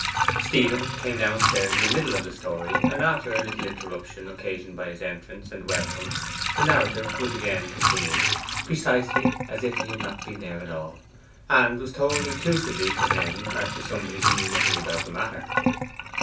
Stephen came downstairs in the middle of the story, and after the little interruption occasioned by his entrance and welcome, the narrative was again continued, precisely as if he had not been there at all, and was told inclusively to him, as to somebody who knew nothing about the matter.